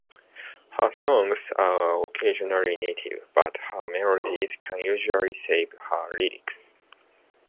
Her songs are occasionally naive, but her melodies can usually save her lyrics.